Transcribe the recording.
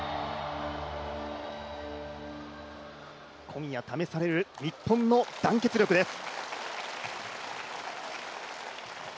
今夜試される日本の団結力です。